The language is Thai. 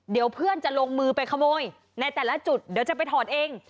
เดี๋ยวเพื่อนจะลงมือไปขโมยในแต่ละจุดเดี๋ยวจะไปถอดเอง